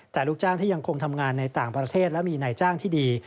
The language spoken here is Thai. แต่ลูกจ้างที่ยังคงทำงานในต่างประเทศและมีนายจ้างที่ดี